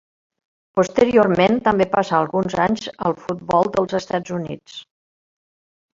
Posteriorment també passà alguns anys al futbol dels Estats Units.